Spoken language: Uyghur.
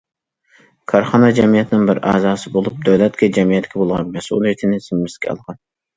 كارخانا جەمئىيەتنىڭ بىر ئەزاسى بولۇپ، دۆلەتكە، جەمئىيەتكە بولغان مەسئۇلىيىتىنى زىممىسىگە ئالغان.